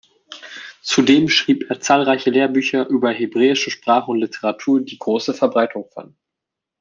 Zudem schrieb er zahlreiche Lehrbücher über hebräische Sprache und Literatur, die große Verbreitung fanden.